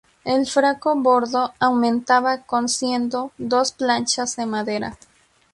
El franco bordo aumentaba cosiendo dos planchas de madera.